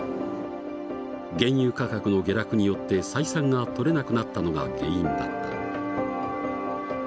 原油価格の下落によって採算が取れなくなったのが原因だった。